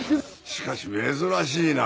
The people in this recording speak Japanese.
しかし珍しいな。